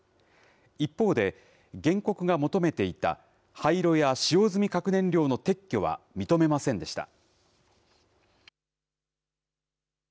一方で、原告が求めていた廃炉や使用済み核燃料の撤去は認めませんでした。